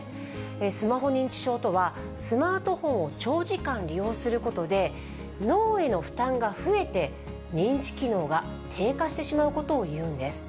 スマホ認知症とは、スマートフォンを長時間利用することで、脳への負担が増えて、認知機能が低下してしまうことを言うんです。